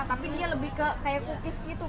tapi dia lebih kayak cookies gitu